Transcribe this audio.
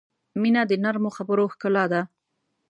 • مینه د نرمو خبرو ښکلا ده.